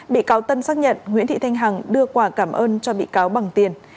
bị cáo tân xác nhận nguyễn thị thanh hằng đưa quả cảm ơn cho bị cáo bằng tiền